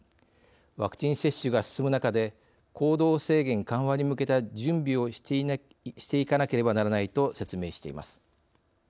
ワクチン接種が進む中で行動制限緩和に向けた準備をしていかなければならない」と説明しています。